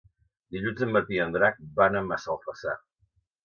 Dilluns en Martí i en Drac van a Massalfassar.